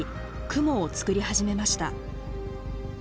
雲を作り始めました。